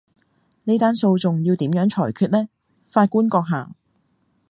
呢單訴訟要點樣裁決呢，法官閣下？